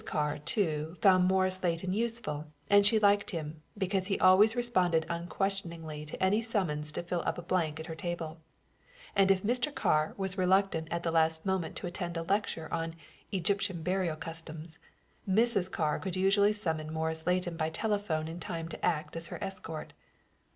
Carr, too, found Morris Leighton useful, and she liked him, because he always responded unquestioningly to any summons to fill up a blank at her table; and if Mr. Carr was reluctant at the last minute to attend a lecture on "Egyptian Burial Customs," Mrs. Carr could usually summon Morris Leighton by telephone in time to act as her escort.